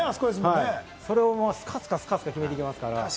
それをスカスカ決めていきますから。